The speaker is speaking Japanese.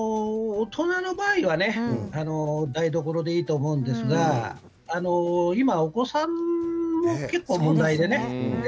大人の場合はね台所でいいと思うんですが今、お子さんも結構、問題でね。